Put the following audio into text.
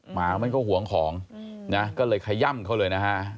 หมามันก็ห่วงของนะก็เลยขย่ำเขาเลยนะฮะ